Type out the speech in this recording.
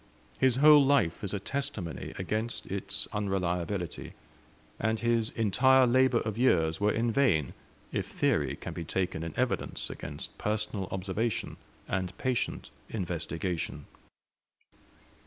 His whole life is a testimony against its unreliability, and his entire labor of years were in vain if theory can be taken in evidence against personal observation and patient investigation.